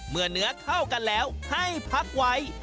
เมื่อเนื้อเข้ากันแล้วให้พักไว้